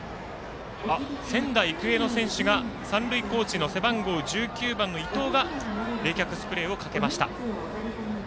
仙台育英の選手、三塁コーチの背番号１９番の伊藤が冷却スプレーをかけました。